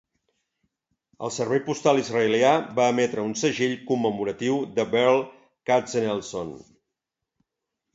El servei postal israelià va emetre un segell commemoratiu de Berl Katzenelson.